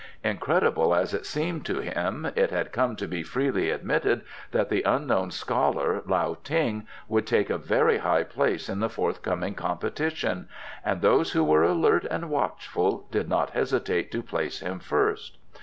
Incredible as it seemed to him it had come to be freely admitted that the unknown scholar Lao Ting would take a very high place in the forthcoming competition, and those who were alert and watchful did not hesitate to place him first.